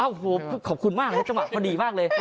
โอ้โหขอบคุณมากเลยจังหวะพอดีมากเลย